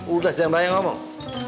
udah jangan berani ngomong